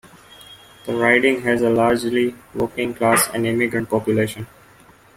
The riding has a largely working class and immigrant population.